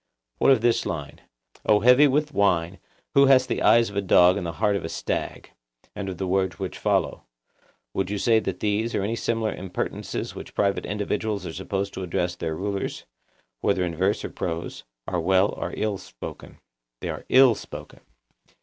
What of this line, 'O heavy with wine, who hast the eyes of a dog and the heart of a stag,' and of the words which follow? Would you say that these, or any similar impertinences which private individuals are supposed to address to their rulers, whether in verse or prose, are well or ill spoken? They are ill spoken.